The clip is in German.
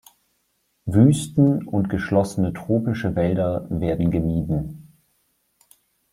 Wüsten und geschlossene, tropische Wälder werden gemieden.